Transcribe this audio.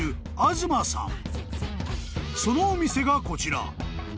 ［そのお店がこちら］